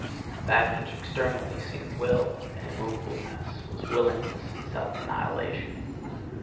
That which externally seemed will and immovableness was willingness and self annihilation.